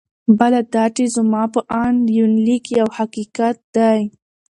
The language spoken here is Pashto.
بل دا چې زما په اند یونلیک یو حقیقت دی.